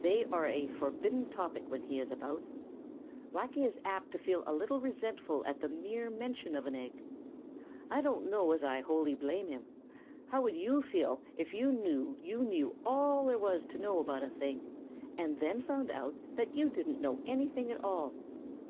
They are a forbidden topic when he is about. Blacky is apt to be a little resentful at the mere mention of an egg. I don't know as I wholly blame him. How would you feel if you knew you knew all there was to know about a thing, and then found out that you didn't know anything at all?